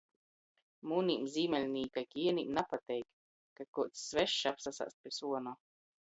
Munim zīmeļnīka genim napateik, ka kaids svešs apsasāst pi suona.